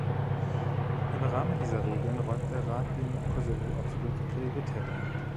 Im Rahmen dieser Regeln räumt der Rat dem Kosovo absolute Priorität ein.